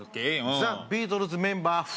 ザビートルズメンバー４！